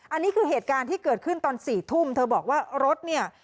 อันนี้คือเหตุการณ์ที่เกิดขึ้นตอน๔ทุ่มเธอบอกว่ารถเนี่ย